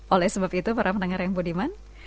oleh sebab itu para pendengar yang budiman